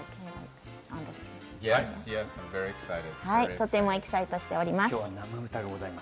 とてもエキサイトしております。